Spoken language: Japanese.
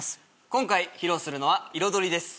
今回披露するのは『彩り』です。